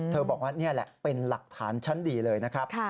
บอกว่านี่แหละเป็นหลักฐานชั้นดีเลยนะครับ